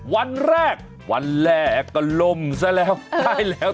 วันแรกวันแรกก็ล่มซะแล้ว